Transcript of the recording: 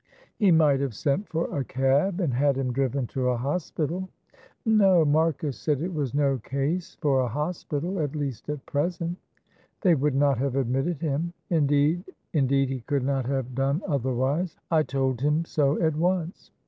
"He might have sent for a cab and had him driven to a hospital." "No Marcus said it was no case for a hospital, at least at present; they would not have admitted him; indeed indeed he could not have done otherwise I told him so at once.